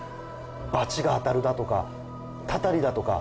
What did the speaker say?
「バチが当たるだとかたたりだとか」